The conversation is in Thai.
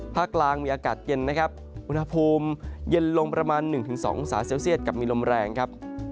ภาคกลางมีอากาศเย็นนะครับวนภูมิเย็นลงประมาณหนึ่งถึงสององศาเซลเซียตกับมีลมแรงครับ